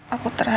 aku terharu aja